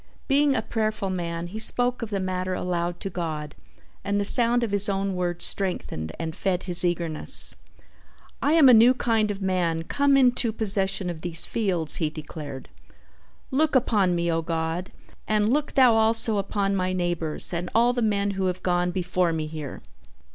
Being a prayerful man he spoke of the matter aloud to God and the sound of his own words strengthened and fed his eagerness. "I am a new kind of man come into possession of these fields," he declared. "Look upon me, O God, and look Thou also upon my neighbors and all the men who have gone before me here!